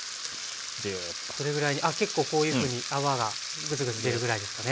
どれぐらいであっ結構こういうふうに泡がグツグツ出るぐらいですかね。